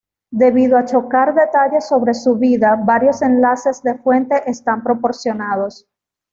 Debido a chocar detalles sobre su vida, varios enlaces de fuente están proporcionados.